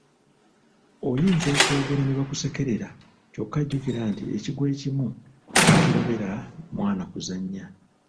Oyinza okwogera ne bakusekerera kyokka jjukira nti ekigwo ekimu tekirobera mwana kuzannya.